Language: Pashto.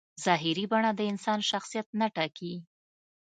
ظاهري بڼه د انسان شخصیت نه ټاکي.